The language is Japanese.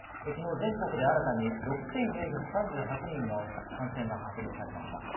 昨日全国で新たに６４３８人の感染が確認されました。